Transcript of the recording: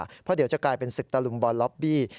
เพราะเดี๋ยวจะกลายเป็นศึกตะลุมบอลล็อบบี้